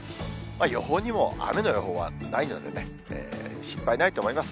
予報にも雨の予報はないのでね、心配ないと思います。